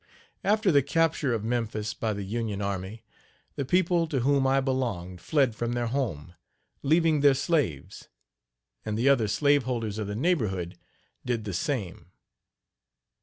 After the capture of Memphis by the Union army, the people to whom I belonged fled from their home, leaving their slaves; and the other slaveholders of the neighborhood did the same.